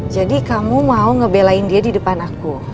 jadi kamu mau ngebelain dia di depan aku